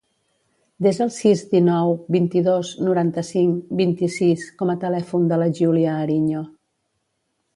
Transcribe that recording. Desa el sis, dinou, vint-i-dos, noranta-cinc, vint-i-sis com a telèfon de la Giulia Ariño.